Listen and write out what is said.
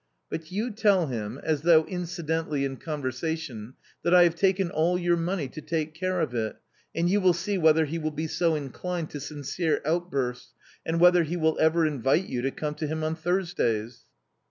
" But you tell him, as though incidentally in conversation, that I have taken all your money to take care of it, and you will see whether he will be so inclined to sincere outbursts, and whether he will ever invite you to come to him on Thursdays."